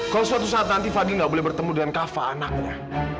kalau suatu saat nanti fadli nggak boleh bertemu dengan kava anaknya